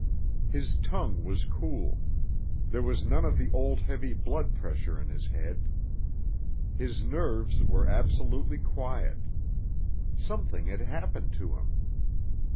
His tongue was cool; there was none of the old heavy blood pressure in his head; his nerves were absolutely quiet. Something had happened to him.